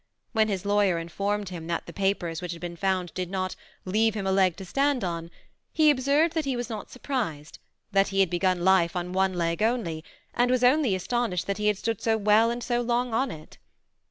When his lawyer in formed him that the papers which had been found did not '' leave him a leg to stand on," he observed that he was not surprised ; that he had begun life on one leg on]y, and was only astonished that he had stood so well and so long on it.